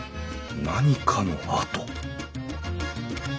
何かの跡？